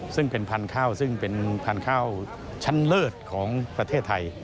ซึ่งเป็นพันธุ์ข้าวซึ่งเป็นพันธุ์ข้าวชั้นเลิศของประเทศไทย